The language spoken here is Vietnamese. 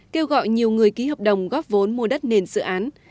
kêu gọi nhiều người ký hợp đồng góp vốn mua đất nền dự án